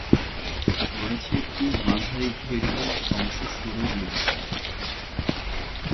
রয়েছে একটি মাঝারি দৈর্ঘ্যের ক্রমশঃ সরু লেজ।